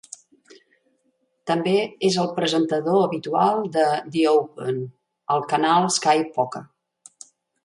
També és el presentador habitual de "The Open" al canal Sky Poker.